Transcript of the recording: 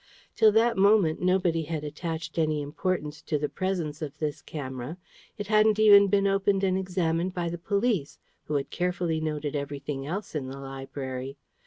Till that moment nobody had attached any importance to the presence of this camera. It hadn't even been opened and examined by the police, who had carefully noted everything else in the library.